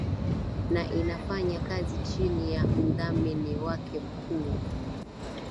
na inafanya kazi chini ya mdhamini wake mkuu